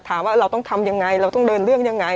ถามว่าเราต้องทำอย่างไรเราต้องเดินเรื่องอย่างไร